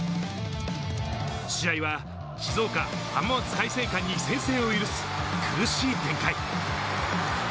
試合は静岡浜松開誠館に先制を許す苦しい展開。